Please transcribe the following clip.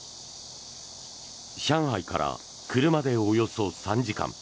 上海から車でおよそ３時間。